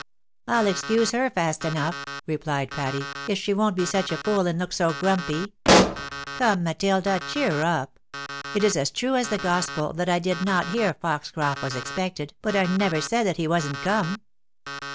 " I'll excuse her fast enough," replied Patty, " if she won't be such a fool, and look so grumpy. Come, Matilda ! cheer up. It is as true as the gospel that I did not hear Foxcroft was ex pected, but I never said that he wasn't come."